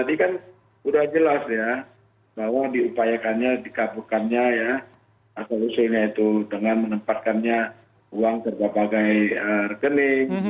tadi kan sudah jelas ya bahwa diupayakannya dikabulkannya ya asal usulnya itu dengan menempatkannya uang berbagai rekening